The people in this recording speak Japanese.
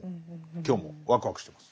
今日もワクワクしてます。